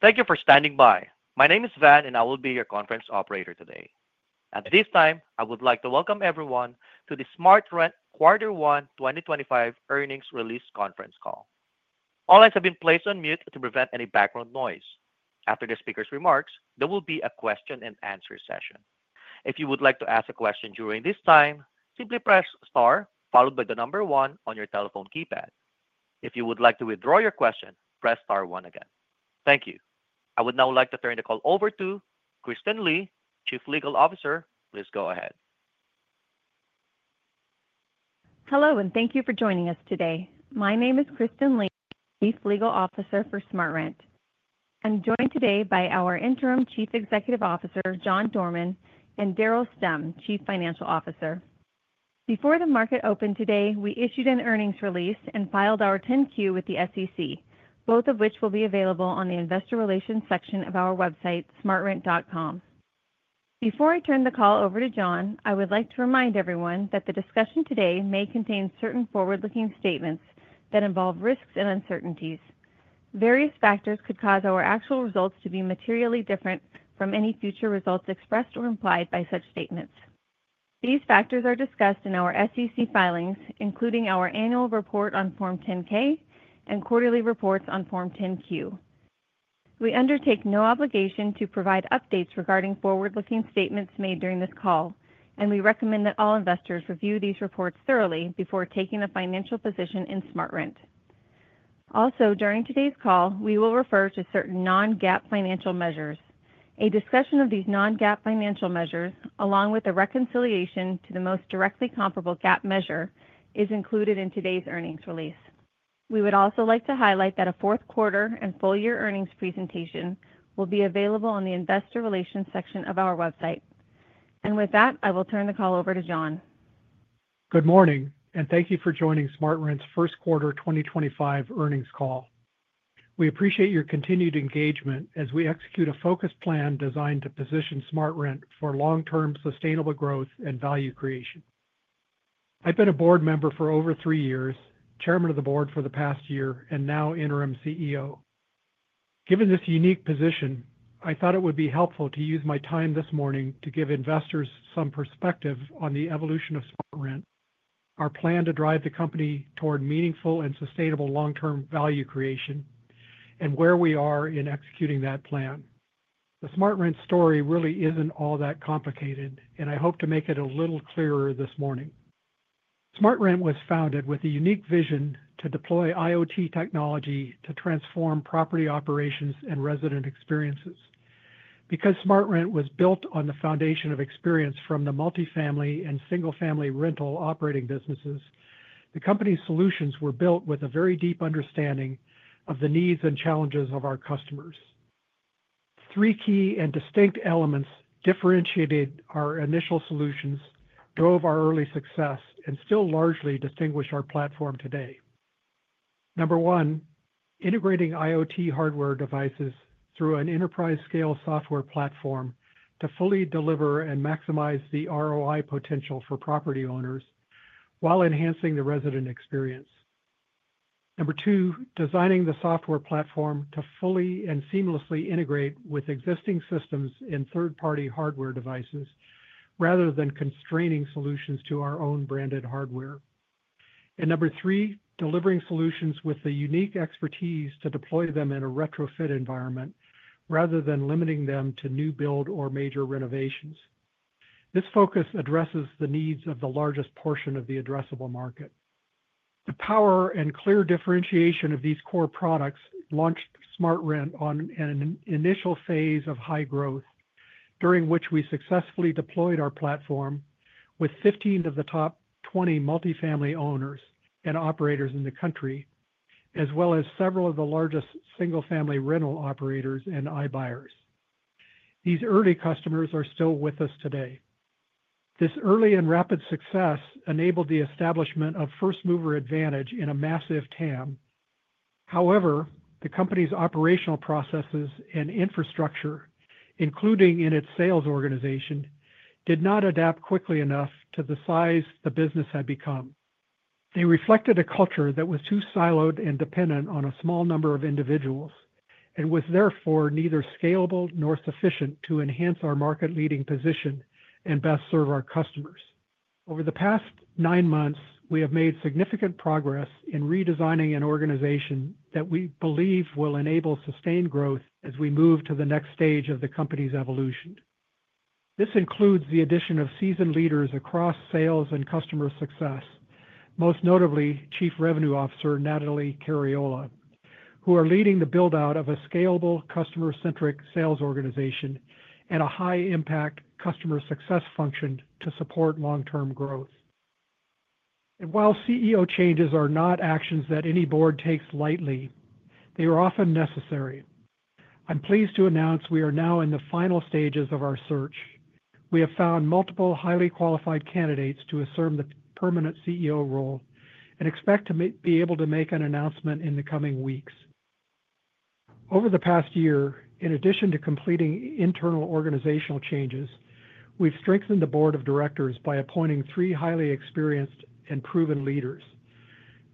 Thank you for standing by. My name is Van, and I will be your conference operator today. At this time, I would like to welcome everyone to the SmartRent Quarter One 2025 Earnings Release conference call. All lines have been placed on mute to prevent any background noise. After the speaker's remarks, there will be a question-and-answer session. If you would like to ask a question during this time, simply press star followed by the number one on your telephone keypad. If you would like to withdraw your question, press star one again. Thank you. I would now like to turn the call over to Kristen Lee, Chief Legal Officer. Please go ahead. Hello, and thank you for joining us today. My name is Kristen Lee, Chief Legal Officer for SmartRent. I'm joined today by our Interim Chief Executive Officer, John Dorman, and Daryl Stemm, Chief Financial Officer. Before the market opened today, we issued an earnings release and filed our 10-Q with the SEC, both of which will be available on the investor relations section of our website, smartrent.com. Before I turn the call over to John, I would like to remind everyone that the discussion today may contain certain forward-looking statements that involve risks and uncertainties. Various factors could cause our actual results to be materially different from any future results expressed or implied by such statements. These factors are discussed in our SEC filings, including our annual report on Form 10-K and quarterly reports on Form 10-Q. We undertake no obligation to provide updates regarding forward-looking statements made during this call, and we recommend that all investors review these reports thoroughly before taking a financial position in SmartRent. Also, during today's call, we will refer to certain non-GAAP financial measures. A discussion of these non-GAAP financial measures, along with a reconciliation to the most directly comparable GAAP measure, is included in today's earnings release. We would also like to highlight that a fourth quarter and full-year earnings presentation will be available on the investor relations section of our website. With that, I will turn the call over to John. Good morning, and thank you for joining SmartRent's first quarter 2025 earnings call. We appreciate your continued engagement as we execute a focused plan designed to position SmartRent for long-term sustainable growth and value creation. I've been a Board Member for over three years, Chairman of the Board for the past year, and now Interim CEO. Given this unique position, I thought it would be helpful to use my time this morning to give investors some perspective on the evolution of SmartRent, our plan to drive the company toward meaningful and sustainable long-term value creation, and where we are in executing that plan. The SmartRent story really isn't all that complicated, and I hope to make it a little clearer this morning. SmartRent was founded with a unique vision to deploy IoT technology to transform property operations and resident experiences. Because SmartRent was built on the foundation of experience from the multifamily and single-family rental operating businesses, the company's solutions were built with a very deep understanding of the needs and challenges of our customers. Three key and distinct elements differentiated our initial solutions, drove our early success, and still largely distinguish our platform today. Number one, integrating IoT hardware devices through an enterprise-scale software platform to fully deliver and maximize the ROI potential for property owners while enhancing the resident experience. Number two, designing the software platform to fully and seamlessly integrate with existing systems in third-party hardware devices rather than constraining solutions to our own branded hardware. Number three, delivering solutions with the unique expertise to deploy them in a retrofit environment rather than limiting them to new build or major renovations. This focus addresses the needs of the largest portion of the addressable market. The power and clear differentiation of these core products launched SmartRent on an initial phase of high growth, during which we successfully deployed our platform with 15 of the top 20 multifamily owners and operators in the country, as well as several of the largest single-family rental operators and iBuyers. These early customers are still with us today. This early and rapid success enabled the establishment of first-mover advantage in a massive TAM. However, the company's operational processes and infrastructure, including in its sales organization, did not adapt quickly enough to the size the business had become. They reflected a culture that was too siloed and dependent on a small number of individuals and was therefore neither scalable nor sufficient to enhance our market-leading position and best serve our customers. Over the past nine months, we have made significant progress in redesigning an organization that we believe will enable sustained growth as we move to the next stage of the company's evolution. This includes the addition of seasoned leaders across sales and customer success, most notably Chief Revenue Officer Natalie Cariola, who are leading the build-out of a scalable, customer-centric sales organization and a high-impact customer success function to support long-term growth. While CEO changes are not actions that any Board takes lightly, they are often necessary. I'm pleased to announce we are now in the final stages of our search. We have found multiple highly qualified candidates to assume the permanent CEO role and expect to be able to make an announcement in the coming weeks. Over the past year, in addition to completing internal organizational changes, we've strengthened the Board of Directors by appointing three highly experienced and proven leaders.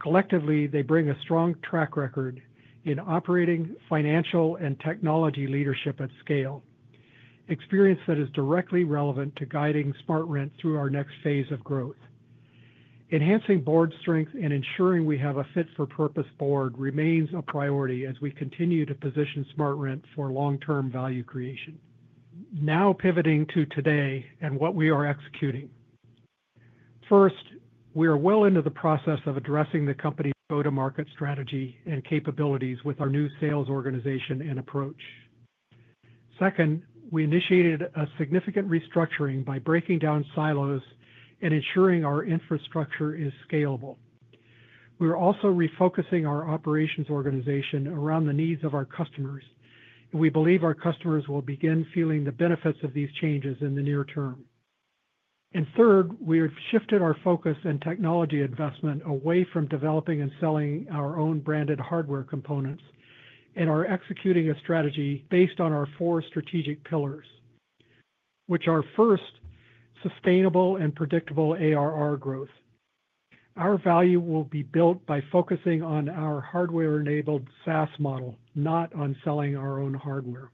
Collectively, they bring a strong track record in operating, financial, and technology leadership at scale, experience that is directly relevant to guiding SmartRent through our next phase of growth. Enhancing Board strength and ensuring we have a fit-for-purpose Board remains a priority as we continue to position SmartRent for long-term value creation. Now pivoting to today and what we are executing. First, we are well into the process of addressing the company's go-to-market strategy and capabilities with our new sales organization and approach. Second, we initiated a significant restructuring by breaking down silos and ensuring our infrastructure is scalable. We are also refocusing our operations organization around the needs of our customers, and we believe our customers will begin feeling the benefits of these changes in the near term. Third, we have shifted our focus and technology investment away from developing and selling our own branded hardware components and are executing a strategy based on our four strategic pillars, which are, first, sustainable and predictable ARR growth. Our value will be built by focusing on our hardware-enabled SaaS model, not on selling our own hardware.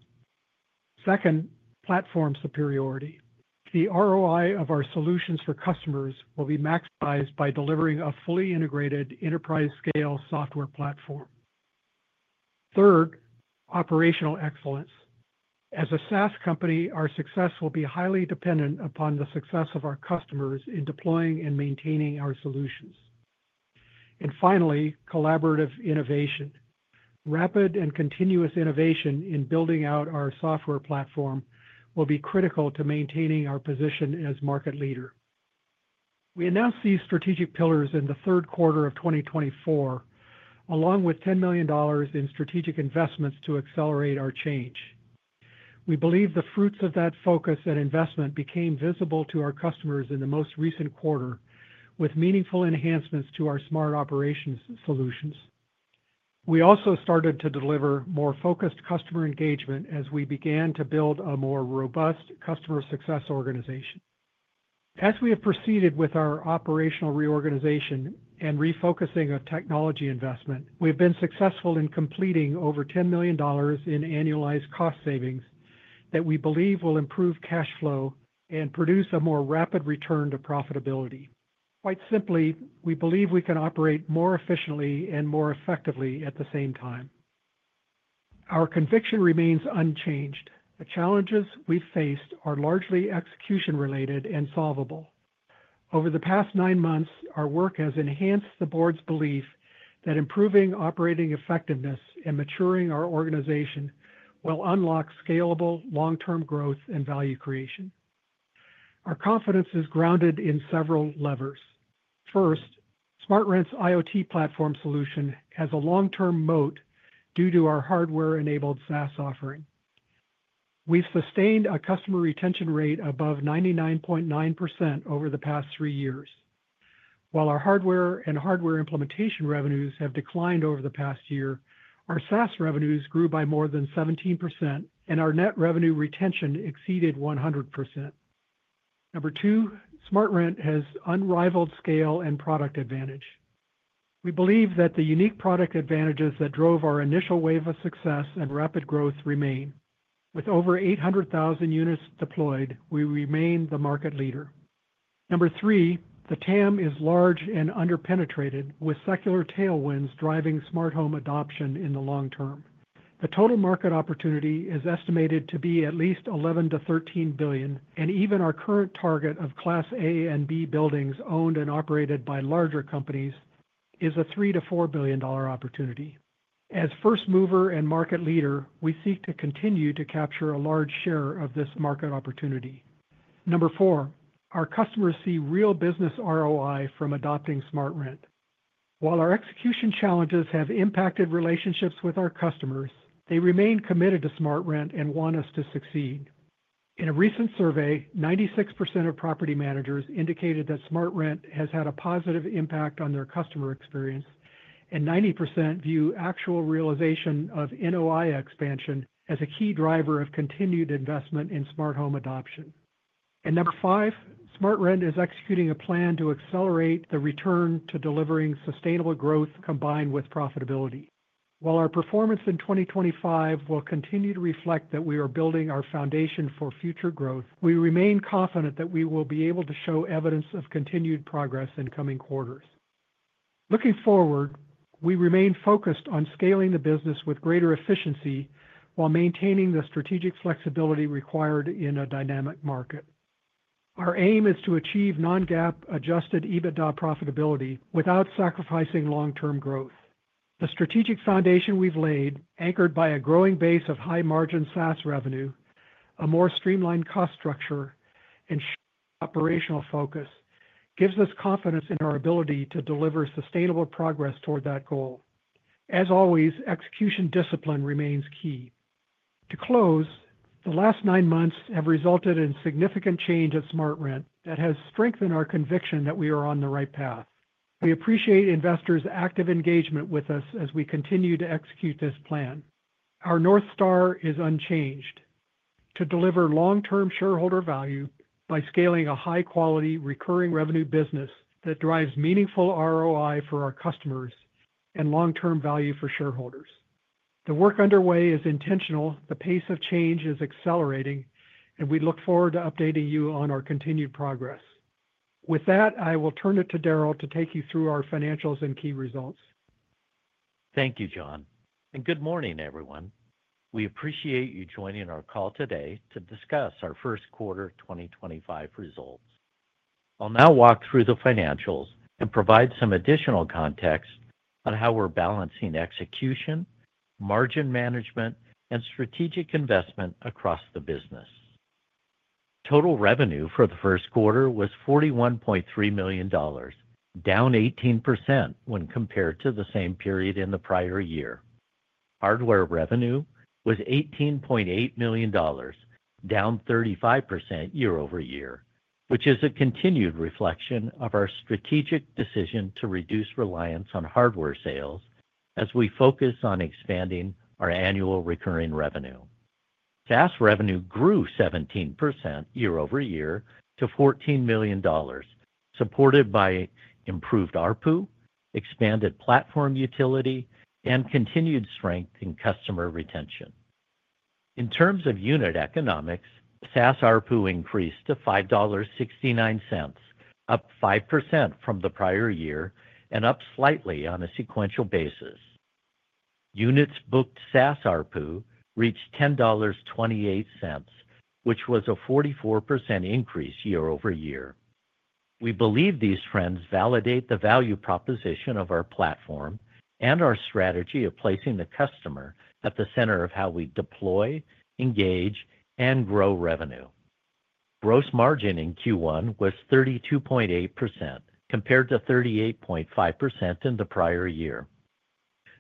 Second, platform superiority. The ROI of our solutions for customers will be maximized by delivering a fully integrated enterprise-scale software platform. Third, operational excellence. As a SaaS company, our success will be highly dependent upon the success of our customers in deploying and maintaining our solutions. Finally, collaborative innovation. Rapid and continuous innovation in building out our software platform will be critical to maintaining our position as market leader. We announced these strategic pillars in the third quarter of 2024, along with $10 million in strategic investments to accelerate our change. We believe the fruits of that focus and investment became visible to our customers in the most recent quarter, with meaningful enhancements to our smart operations solutions. We also started to deliver more focused customer engagement as we began to build a more robust customer success organization. As we have proceeded with our operational reorganization and refocusing of technology investment, we have been successful in completing over $10 million in annualized cost savings that we believe will improve cash flow and produce a more rapid return to profitability. Quite simply, we believe we can operate more efficiently and more effectively at the same time. Our conviction remains unchanged. The challenges we've faced are largely execution-related and solvable. Over the past nine months, our work has enhanced the Board's belief that improving operating effectiveness and maturing our organization will unlock scalable long-term growth and value creation. Our confidence is grounded in several levers. First, SmartRent's IoT platform solution has a long-term moat due to our hardware-enabled SaaS offering. We've sustained a customer retention rate above 99.9% over the past three years. While our hardware and hardware implementation revenues have declined over the past year, our SaaS revenues grew by more than 17%, and our net revenue retention exceeded 100%. Number two, SmartRent has unrivaled scale and product advantage. We believe that the unique product advantages that drove our initial wave of success and rapid growth remain. With over 800,000 units deployed, we remain the market leader. Number three, the TAM is large and under-penetrated, with secular tailwinds driving smart home adoption in the long term. The total market opportunity is estimated to be at least $11 billion-$13 billion, and even our current target of Class A and B buildings owned and operated by larger companies is a $3 billion-$4 billion opportunity. As first mover and market leader, we seek to continue to capture a large share of this market opportunity. Number four, our customers see real business ROI from adopting SmartRent. While our execution challenges have impacted relationships with our customers, they remain committed to SmartRent and want us to succeed. In a recent survey, 96% of property managers indicated that SmartRent has had a positive impact on their customer experience, and 90% view actual realization of NOI expansion as a key driver of continued investment in smart home adoption. Number five, SmartRent is executing a plan to accelerate the return to delivering sustainable growth combined with profitability. While our performance in 2025 will continue to reflect that we are building our foundation for future growth, we remain confident that we will be able to show evidence of continued progress in coming quarters. Looking forward, we remain focused on scaling the business with greater efficiency while maintaining the strategic flexibility required in a dynamic market. Our aim is to achieve non-GAAP adjusted EBITDA profitability without sacrificing long-term growth. The strategic foundation we have laid, anchored by a growing base of high-margin SaaS revenue, a more streamlined cost structure, and operational focus, gives us confidence in our ability to deliver sustainable progress toward that goal. As always, execution discipline remains key. To close, the last nine months have resulted in significant change at SmartRent that has strengthened our conviction that we are on the right path. We appreciate investors' active engagement with us as we continue to execute this plan. Our north star is unchanged: to deliver long-term shareholder value by scaling a high-quality recurring revenue business that drives meaningful ROI for our customers and long-term value for shareholders. The work underway is intentional, the pace of change is accelerating, and we look forward to updating you on our continued progress. With that, I will turn it to Daryl to take you through our financials and key results. Thank you, John. Good morning, everyone. We appreciate you joining our call today to discuss our first quarter 2025 results. I'll now walk through the financials and provide some additional context on how we're balancing execution, margin management, and strategic investment across the business. Total revenue for the first quarter was $41.3 million, down 18% when compared to the same period in the prior year. Hardware revenue was $18.8 million, down 35% year-over-year, which is a continued reflection of our strategic decision to reduce reliance on hardware sales as we focus on expanding our annual recurring revenue. SaaS revenue grew 17% year-over-year to $14 million, supported by improved ARPU, expanded platform utility, and continued strength in customer retention. In terms of unit economics, SaaS ARPU increased to $5.69, up 5% from the prior year and up slightly on a sequential basis. Units booked SaaS ARPU reached $10.28, which was a 44% increase year-over-year. We believe these trends validate the value proposition of our platform and our strategy of placing the customer at the center of how we deploy, engage, and grow revenue. Gross margin in Q1 was 32.8% compared to 38.5% in the prior year.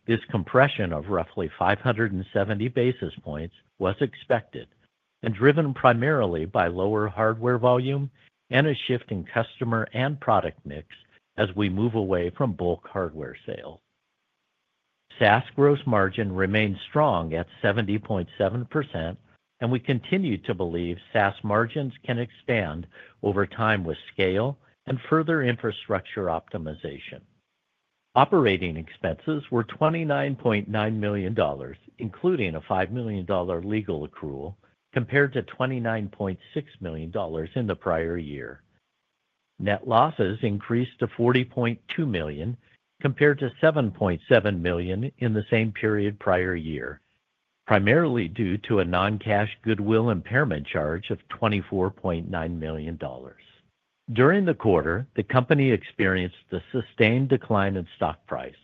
This compression of roughly 570 basis points was expected and driven primarily by lower hardware volume and a shift in customer and product mix as we move away from bulk hardware sales. SaaS gross margin remained strong at 70.7%, and we continue to believe SaaS margins can expand over time with scale and further infrastructure optimization. Operating expenses were $29.9 million, including a $5 million legal accrual, compared to $29.6 million in the prior year. Net losses increased to $40.2 million compared to $7.7 million in the same period prior year, primarily due to a non-cash goodwill impairment charge of $24.9 million. During the quarter, the company experienced a sustained decline in stock price,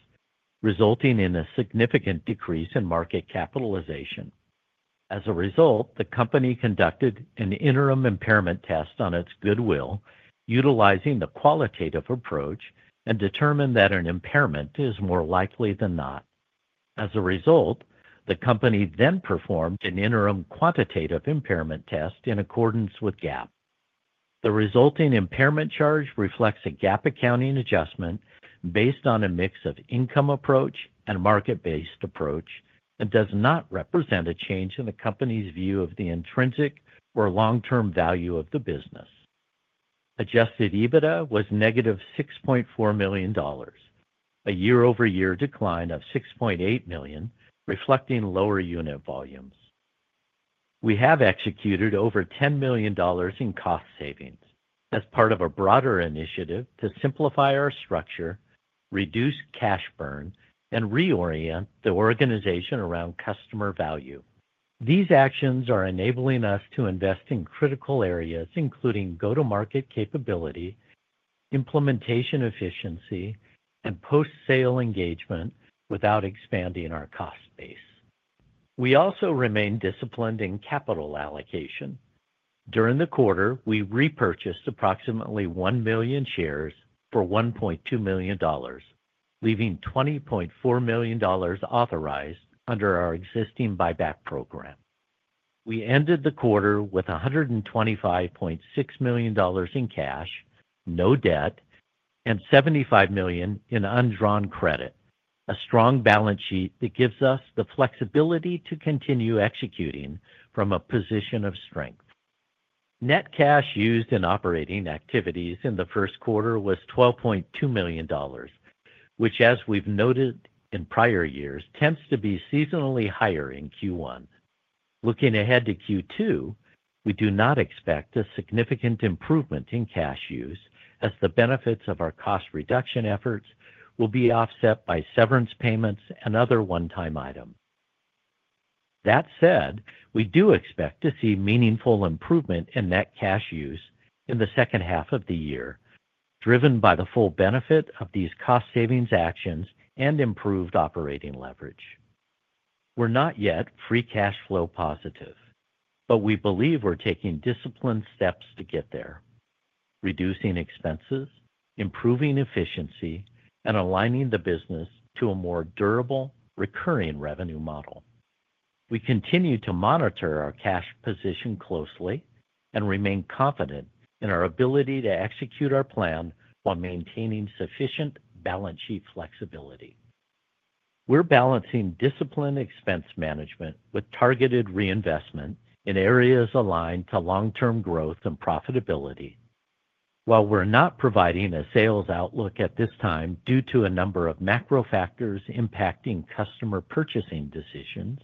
resulting in a significant decrease in market capitalization. As a result, the company conducted an interim impairment test on its goodwill, utilizing the qualitative approach, and determined that an impairment is more likely than not. As a result, the company then performed an interim quantitative impairment test in accordance with GAAP. The resulting impairment charge reflects a GAAP accounting adjustment based on a mix of income approach and market-based approach and does not represent a change in the company's view of the intrinsic or long-term value of the business. Adjusted EBITDA was negative $6.4 million, a year-over-year decline of $6.8 million, reflecting lower unit volumes. We have executed over $10 million in cost savings as part of a broader initiative to simplify our structure, reduce cash burn, and reorient the organization around customer value. These actions are enabling us to invest in critical areas, including go-to-market capability, implementation efficiency, and post-sale engagement without expanding our cost base. We also remain disciplined in capital allocation. During the quarter, we repurchased approximately 1 million shares for $1.2 million, leaving $20.4 million authorized under our existing buyback program. We ended the quarter with $125.6 million in cash, no debt, and $75 million in undrawn credit, a strong balance sheet that gives us the flexibility to continue executing from a position of strength. Net cash used in operating activities in the first quarter was $12.2 million, which, as we've noted in prior years, tends to be seasonally higher in Q1. Looking ahead to Q2, we do not expect a significant improvement in cash use, as the benefits of our cost reduction efforts will be offset by severance payments and other one-time items. That said, we do expect to see meaningful improvement in net cash use in the second half of the year, driven by the full benefit of these cost savings actions and improved operating leverage. We're not yet free cash flow positive, but we believe we're taking disciplined steps to get there: reducing expenses, improving efficiency, and aligning the business to a more durable recurring revenue model. We continue to monitor our cash position closely and remain confident in our ability to execute our plan while maintaining sufficient balance sheet flexibility. We're balancing disciplined expense management with targeted reinvestment in areas aligned to long-term growth and profitability. While we're not providing a sales outlook at this time due to a number of macro factors impacting customer purchasing decisions,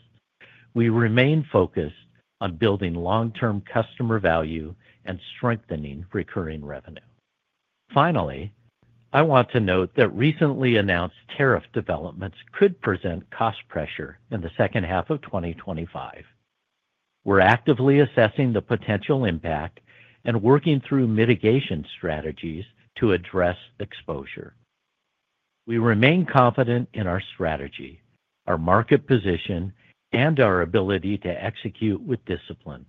we remain focused on building long-term customer value and strengthening recurring revenue. Finally, I want to note that recently announced tariff developments could present cost pressure in the second half of 2025. We're actively assessing the potential impact and working through mitigation strategies to address exposure. We remain confident in our strategy, our market position, and our ability to execute with discipline.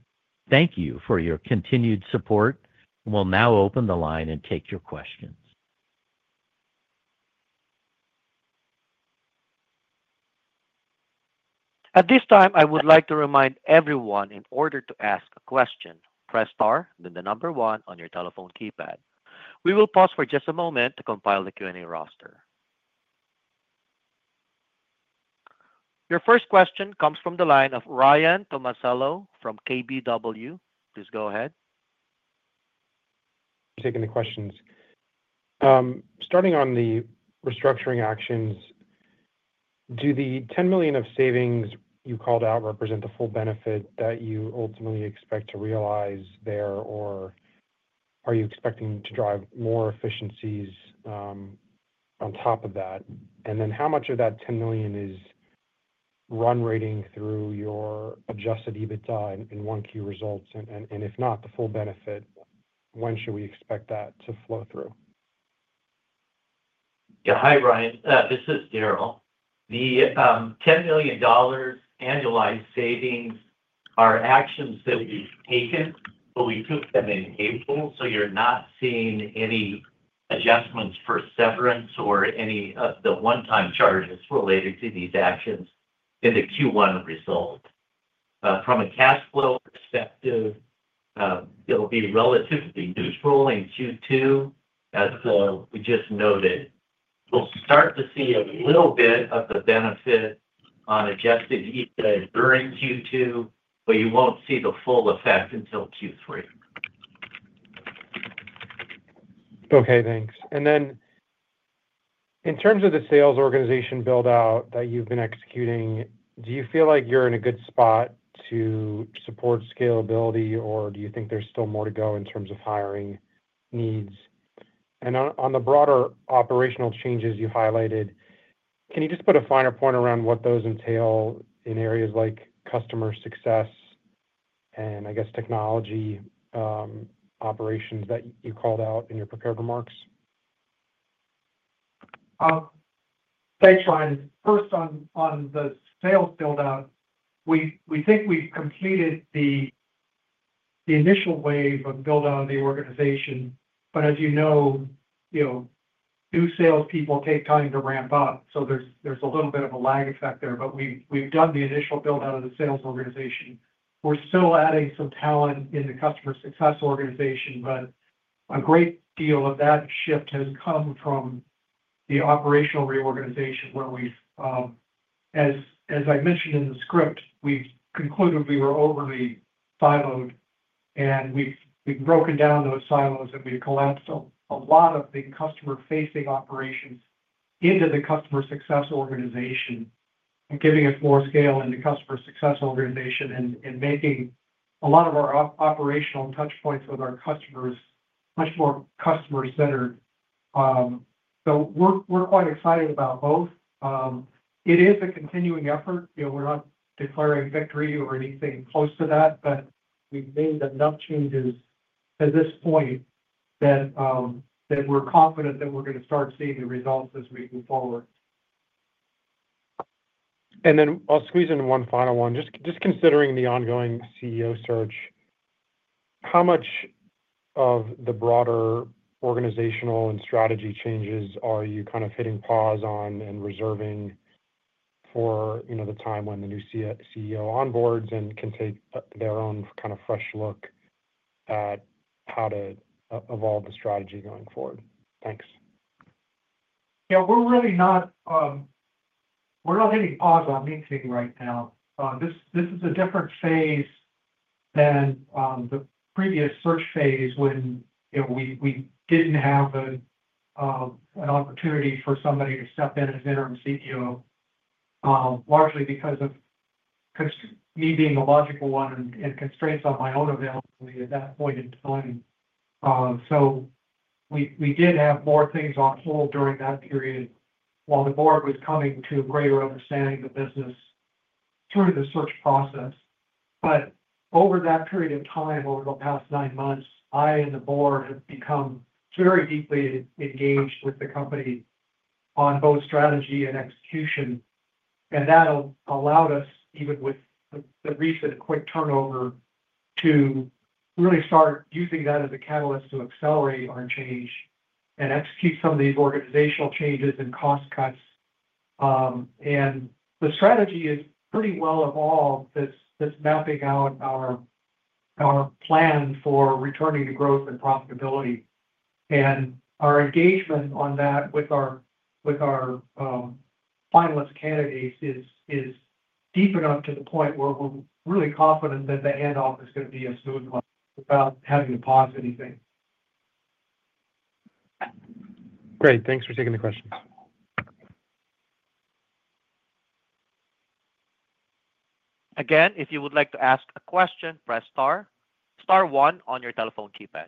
Thank you for your continued support, and we'll now open the line and take your questions. At this time, I would like to remind everyone in order to ask a question, press star, then the number one on your telephone keypad. We will pause for just a moment to compile the Q&A roster. Your first question comes from the line of Ryan Tomasello from KBW. Please go ahead. Taking the questions. Starting on the restructuring actions, do the $10 million of savings you called out represent the full benefit that you ultimately expect to realize there, or are you expecting to drive more efficiencies on top of that? How much of that $10 million is run rating through your adjusted EBITDA in one-key results? If not the full benefit, when should we expect that to flow through? Yeah. Hi, Ryan. This is Daryl. The $10 million annualized savings are actions that we've taken, but we took them in April, so you're not seeing any adjustments for severance or any of the one-time charges related to these actions in the Q1 result. From a cash flow perspective, it'll be relatively neutral in Q2, as we just noted. We'll start to see a little bit of the benefit on adjusted EBITDA during Q2, but you won't see the full effect until Q3. Okay. Thanks. In terms of the sales organization build-out that you've been executing, do you feel like you're in a good spot to support scalability, or do you think there's still more to go in terms of hiring needs? On the broader operational changes you highlighted, can you just put a finer point around what those entail in areas like customer success and, I guess, technology operations that you called out in your prepared remarks? Thanks, Ryan. First, on the sales build-out, we think we've completed the initial wave of build-out of the organization, but as you know, new salespeople take time to ramp up, so there's a little bit of a lag effect there. We've done the initial build-out of the sales organization. We're still adding some talent in the customer success organization, but a great deal of that shift has come from the operational reorganization where we've, as I mentioned in the script, concluded we were overly siloed, and we've broken down those silos, and we've collapsed a lot of the customer-facing operations into the customer success organization, giving us more scale in the customer success organization and making a lot of our operational touchpoints with our customers much more customer-centered. We're quite excited about both. It is a continuing effort. We're not declaring victory or anything close to that, but we've made enough changes to this point that we're confident that we're going to start seeing the results as we move forward. I'll squeeze in one final one. Just considering the ongoing CEO search, how much of the broader organizational and strategy changes are you kind of hitting pause on and reserving for the time when the new CEO onboard and can take their own kind of fresh look at how to evolve the strategy going forward? Thanks. Yeah. We're really not hitting pause on anything right now. This is a different phase than the previous search phase when we didn't have an opportunity for somebody to step in as interim CEO, largely because of me being the logical one and constraints on my own availability at that point in time. We did have more things on hold during that period while the Board was coming to a greater understanding of the business through the search process. Over that period of time, over the past nine months, I and the Board have become very deeply engaged with the company on both strategy and execution. That allowed us, even with the recent quick turnover, to really start using that as a catalyst to accelerate our change and execute some of these organizational changes and cost cuts. The strategy is pretty well evolved, this mapping out our plan for returning to growth and profitability. Our engagement on that with our finalist candidates is deep enough to the point where we're really confident that the handoff is going to be smooth, without having to pause anything. Great. Thanks for taking the question. Again, if you would like to ask a question, press star one on your telephone keypad.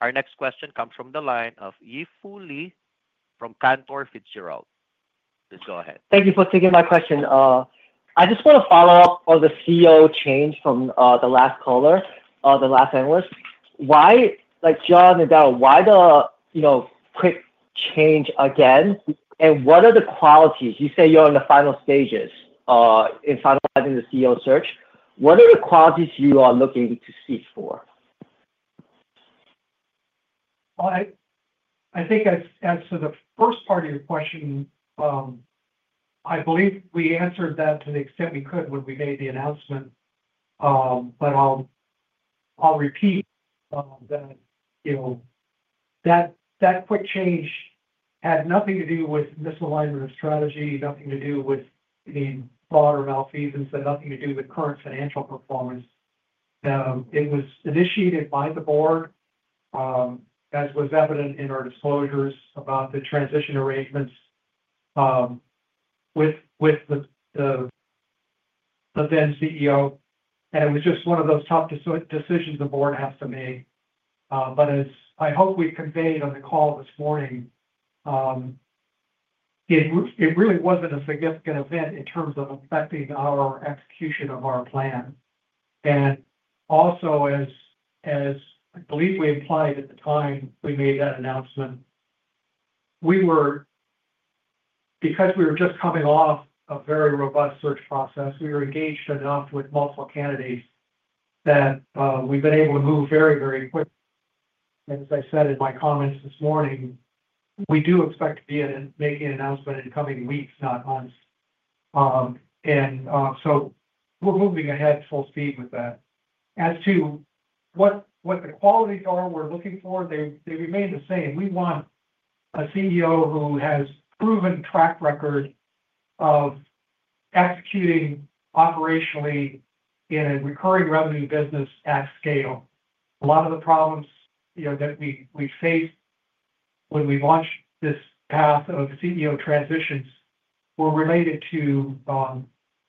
Our next question comes from the line of Yi Fu Lee from Cantor Fitzgerald. Please go ahead. Thank you for taking my question. I just want to follow up on the CEO change from the last caller, the last analyst. John, why the quick change again? What are the qualities? You say you're in the final stages in finalizing the CEO search. What are the qualities you are looking to seek for? I think as to the first part of your question, I believe we answered that to the extent we could when we made the announcement. I'll repeat that that quick change had nothing to do with misalignment of strategy, nothing to do with any broader malfeasance, and nothing to do with current financial performance. It was initiated by the Board, as was evident in our disclosures about the transition arrangements with the then CEO. It was just one of those tough decisions the Board has to make. As I hope we've conveyed on the call this morning, it really wasn't a significant event in terms of affecting our execution of our plan. As I believe we implied at the time we made that announcement, because we were just coming off a very robust search process, we were engaged enough with multiple candidates that we've been able to move very, very quickly. As I said in my comments this morning, we do expect to be making an announcement in coming weeks, not months. We are moving ahead full speed with that. As to what the qualities are we're looking for, they remain the same. We want a CEO who has proven track record of executing operationally in a recurring revenue business at scale. A lot of the problems that we faced when we launched this path of CEO transitions were related to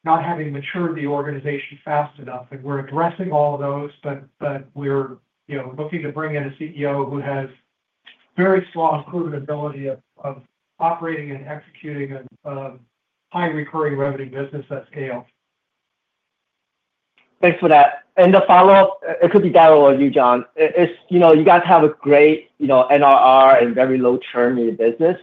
not having matured the organization fast enough. We're addressing all of those, but we're looking to bring in a CEO who has very strong proven ability of operating and executing a high-recurring revenue business at scale. Thanks for that. And the follow-up, it could be Daryl or you, John. You guys have a great NRR and very low churn in your business.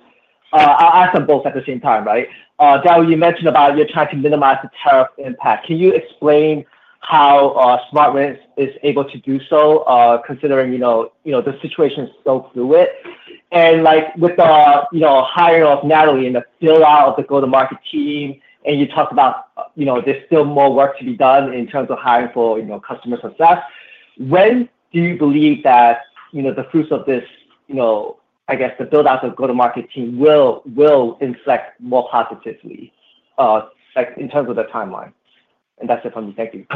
I'll ask them both at the same time, right? Daryl, you mentioned about you're trying to minimize the tariff impact. Can you explain how SmartRent is able to do so, considering the situation is so fluid? And with the hiring of Natalie and the build-out of the go-to-market team, and you talked about there's still more work to be done in terms of hiring for customer success, when do you believe that the fruits of this, I guess, the build-out of the go-to-market team will inflect more positively in terms of the timeline? And that's it from me. Thank you.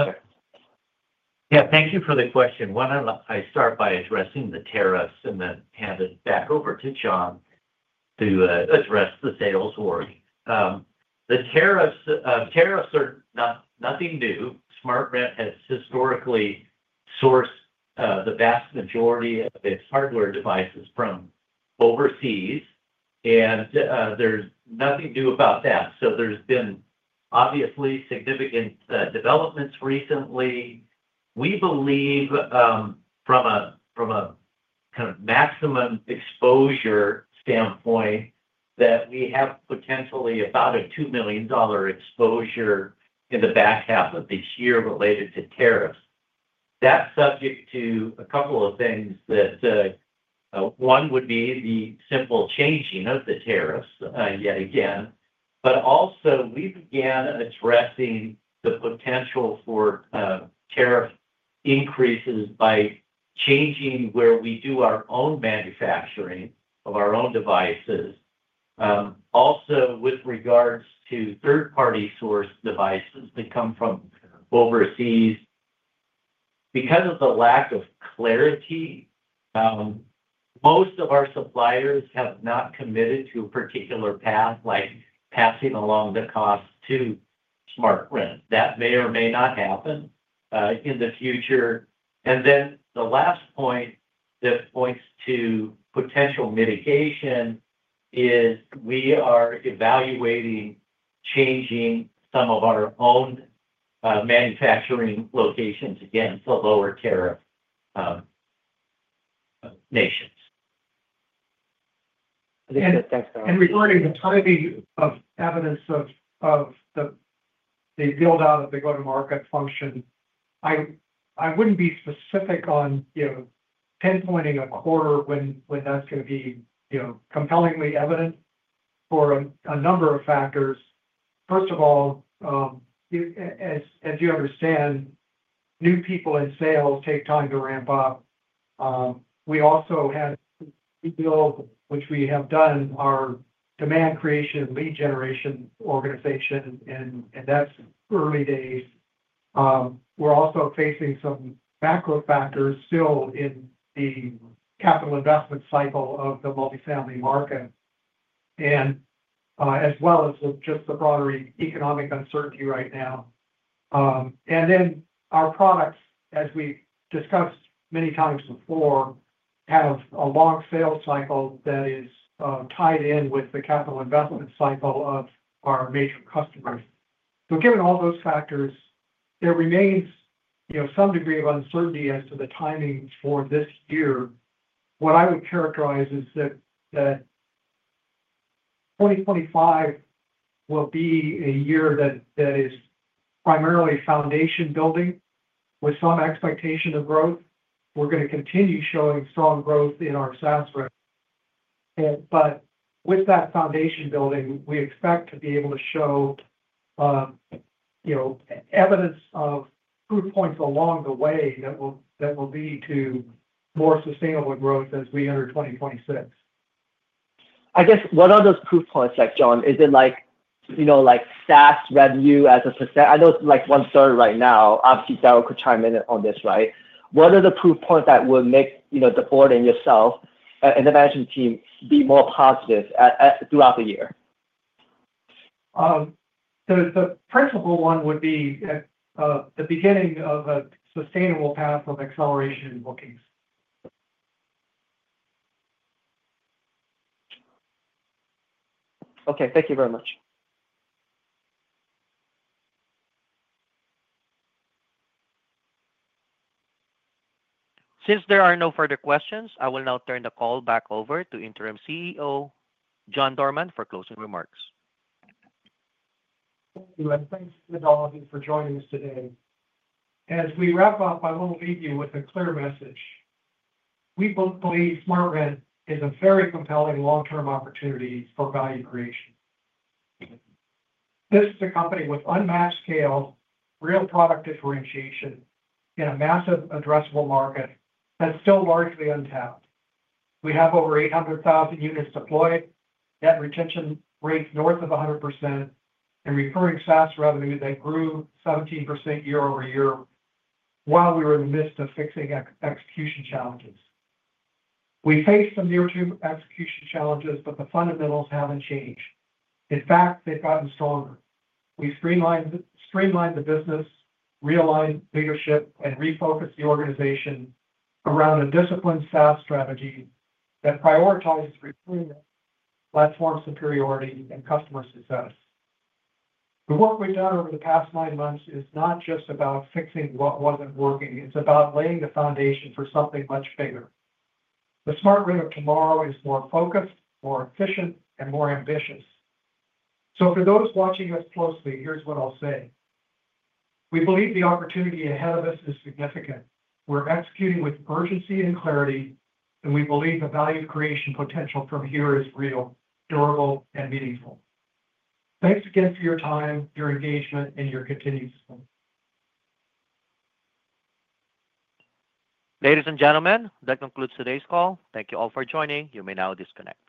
Yeah. Thank you for the question. Why do not I start by addressing the tariffs and then hand it back over to John to address the sales work? The tariffs are nothing new. SmartRent has historically sourced the vast majority of its hardware devices from overseas, and there is nothing new about that. There have been obviously significant developments recently. We believe, from a kind of maximum exposure standpoint, that we have potentially about a $2 million exposure in the back half of this year related to tariffs. That is subject to a couple of things. One would be the simple changing of the tariffs yet again. Also, we began addressing the potential for tariff increases by changing where we do our own manufacturing of our own devices. Also, with regards to third-party source devices that come from overseas, because of the lack of clarity, most of our suppliers have not committed to a particular path like passing along the cost to SmartRent. That may or may not happen in the future. The last point that points to potential mitigation is we are evaluating changing some of our own manufacturing locations again to lower-tariff nations. Regarding the timing of evidence of the build-out of the go-to-market function, I would not be specific on pinpointing a quarter when that is going to be compellingly evident for a number of factors. First of all, as you understand, new people in sales take time to ramp up. We also had to build, which we have done, our demand creation and lead generation organization, and that is early days. We are also facing some macro factors still in the capital investment cycle of the multifamily market, as well as just the broader economic uncertainty right now. Our products, as we have discussed many times before, have a long sales cycle that is tied in with the capital investment cycle of our major customers. Given all those factors, there remains some degree of uncertainty as to the timing for this year. What I would characterize is that 2025 will be a year that is primarily foundation building with some expectation of growth. We're going to continue showing strong growth in our SaaS revenue. With that foundation building, we expect to be able to show evidence of proof points along the way that will lead to more sustainable growth as we enter 2026. I guess, what are those proof points, John? Is it like SaaS revenue as a percent? I know it's like one-third right now. Obviously, Daryl could chime in on this, right? What are the proof points that will make the Board and yourself and the management team be more positive throughout the year? The principal one would be the beginning of a sustainable path of acceleration bookings. Okay. Thank you very much. Since there are no further questions, I will now turn the call back over to Interim CEO John Dorman for closing remarks. Thank you. Thanks to all of you for joining us today. As we wrap up, I want to leave you with a clear message. We believe SmartRent is a very compelling long-term opportunity for value creation. This is a company with unmatched scale, real product differentiation in a massive addressable market that's still largely untapped. We have over 800,000 units deployed, net retention rates north of 100%, and recurring SaaS revenue that grew 17% year-over-year while we were in the midst of fixing execution challenges. We faced some near-term execution challenges, but the fundamentals haven't changed. In fact, they've gotten stronger. We streamlined the business, realigned leadership, and refocused the organization around a disciplined SaaS strategy that prioritizes recruitment, platform superiority, and customer success. The work we've done over the past nine months is not just about fixing what wasn't working. It's about laying the foundation for something much bigger. The SmartRent of tomorrow is more focused, more efficient, and more ambitious. For those watching us closely, here's what I'll say. We believe the opportunity ahead of us is significant. We're executing with urgency and clarity, and we believe the value creation potential from here is real, durable, and meaningful. Thanks again for your time, your engagement, and your continued support. Ladies and gentlemen, that concludes today's call. Thank you all for joining. You may now disconnect.